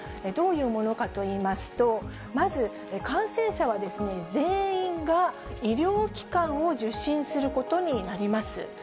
どういうものかといいますと、まず、感染者は全員が医療機関を受診することになります。